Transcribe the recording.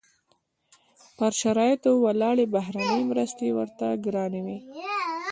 پر شرایطو ولاړې بهرنۍ مرستې ورته ګرانې وې.